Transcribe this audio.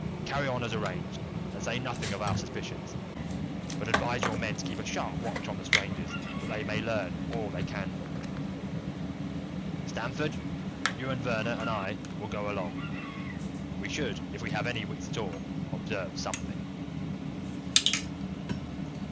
Carry on as arranged, and say nothing of our suspicions, but advise your men to keep a sharp watch on the strangers, that they may learn all they can from them. "Stamford, you and Verner and I will go along. We should, if we have any wits at all, observe something."